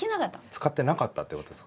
使ってなかったってことですか？